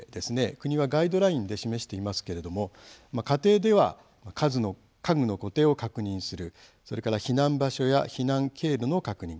国はガイドラインで示していますけれども家庭では家具の固定を確認するそれから避難場所や避難経路の確認